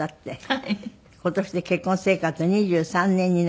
はい。